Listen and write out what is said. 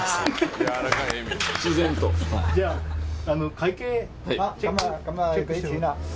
会計。